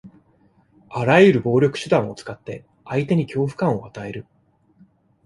あらゆる暴力手段を使って、相手に恐怖感を与える。